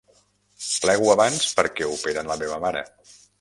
Plego abans perquè operen la meva mare.